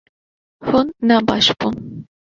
Hûn ne baş bûn